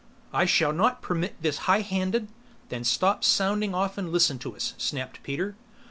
"I shall not permit this high handed " "Then stop sounding off and listen to us!" snapped Peter.